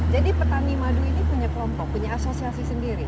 jadi petani madu ini punya kelompok punya asosiasi sendiri